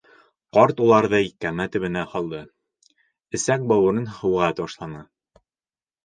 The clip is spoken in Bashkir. Ҡарт уларҙы кәмә төбөнә һалды, эсәк-бауырын һыуға ташланы.